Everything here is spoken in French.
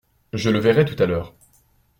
Je le verrai tout à l’heure.